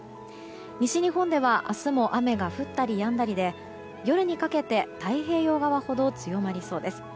西日本では明日も雨が降ったりやんだりで夜にかけて太平洋側ほど強まりそうです。